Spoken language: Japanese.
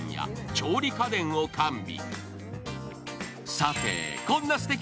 調理家電を完備。